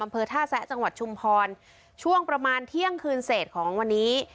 อำเภอท่าแซะจังหวัดชุมพรช่วงประมาณเที่ยงคืนเศษของวันนี้